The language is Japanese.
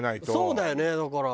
そうだよねだから。